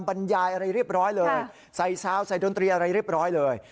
บรรยายอะไรเรียบร้อยเลยใส่ซาวใส่ดนตรีอะไรเรียบร้อยเลย